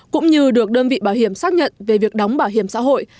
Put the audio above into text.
cũng như được đơn vị bảo hiểm xác nhận về việc đóng bảo hiểm xã hội